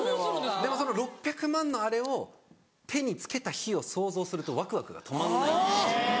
でもその６００万のあれを手に着けた日を想像するとワクワクが止まんない。